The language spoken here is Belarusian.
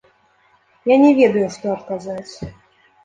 Я не ведаю, што адказаць.